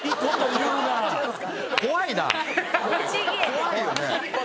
怖いよね。